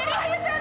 aduh aduh kemahir